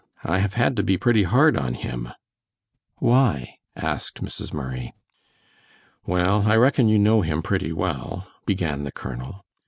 I have had to be pretty hard on him." "Why?" asked Mrs. Murray. "Well, I reckon you know him pretty well," began the colonel.